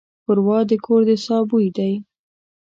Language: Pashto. ښوروا د کور د ساه بوی دی.